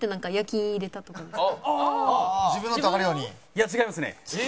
いや違いますね。